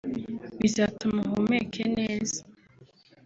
bizatuma uhumeke neza